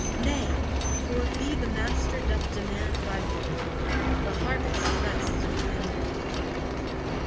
"Nay, for of thee the Master doth demand Thy work: the harvest rests with Him alone."